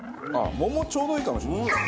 桃ちょうどいいかもしれない。